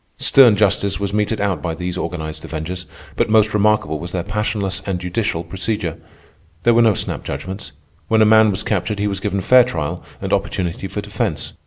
Stern justice was meted out by these organized avengers, but most remarkable was their passionless and judicial procedure. There were no snap judgments. When a man was captured he was given fair trial and opportunity for defence.